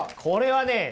これはね